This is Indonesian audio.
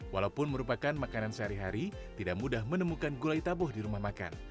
walaupun merupakan makanan sehari hari tidak mudah menemukan gulai taboh di rumah makan